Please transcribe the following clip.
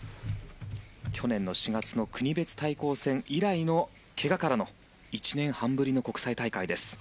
去年の４月の国別対抗戦以来のけがからの１年半ぶりの国際大会です。